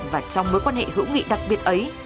và trong mối quan hệ hữu nghị đặc biệt ấy